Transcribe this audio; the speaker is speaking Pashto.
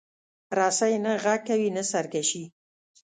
رسۍ نه غږ کوي، نه سرکشي.